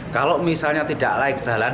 kalau misalnya tidak laik jalan